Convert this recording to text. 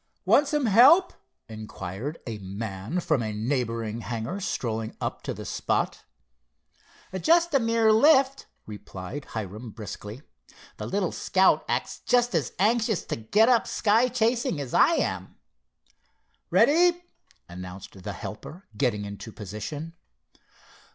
"Want some help?" inquired a man from a neighboring hangar, strolling up to the spot. "Just a mere lift," replied Hiram briskly. "The little Scout acts just as anxious to get up cloud chasing as I am." "Ready," announced the helper, getting into position.